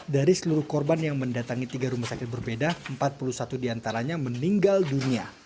dari seluruh korban yang mendatangi tiga rumah sakit berbeda empat puluh satu diantaranya meninggal dunia